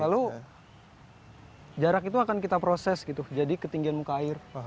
lalu jarak itu akan kita proses gitu jadi ketinggian muka air